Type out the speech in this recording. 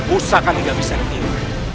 usahakan tidak bisa meniru